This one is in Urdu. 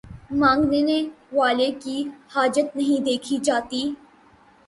مانگنے والے کی حاجت نہیں دیکھی جاتی